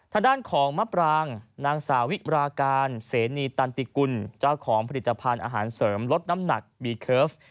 ทางด้านของมะปรางนางสาวิราการเสนีตันติกุลเจ้าของผลิตภัณฑ์อาหารเสริมลดน้ำหนักบีเคิร์ฟ